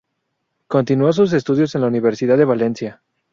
Continuó sus estudios en la Universidad de Valencia.